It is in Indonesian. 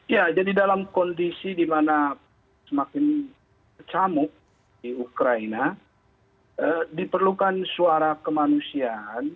ya jadi dalam kondisi di mana semakin camuk di ukraina diperlukan suara kemanusiaan